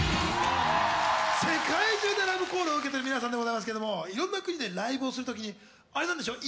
世界中でラブコールを受けてる皆さんでございますけどもいろんな国でライブをする時にあれなんでしょう？